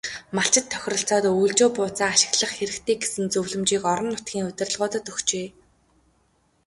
Малчид тохиролцоод өвөлжөө бууцаа ашиглах хэрэгтэй гэсэн зөвлөмжийг орон нутгийн удирдлагуудад өгчээ.